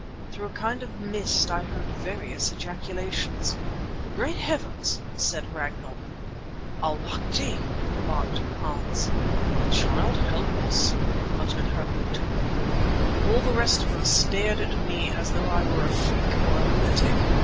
Through a kind of mist I heard various ejaculations: "Great Heavens!" said Ragnall. "Allemagte!" remarked Hans. "The Child help us!" muttered Harût. All the rest of them stared at me as though I were a freak or a lunatic.